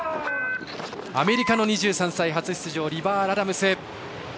アメリカの２３歳初出場、リバー・ラダムス。